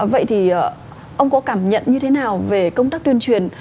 vậy thì ông có cảm nhận như thế nào về công tác tuyên truyền